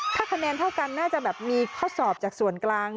ถ้าคะแนนเท่ากันน่าจะแบบมีข้อสอบจากส่วนกลาง